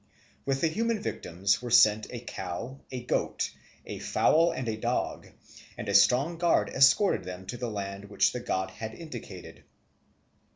With the human victims were sent a cow, a goat, a fowl, and a dog; and a strong guard escorted them to the land which the god had indicated.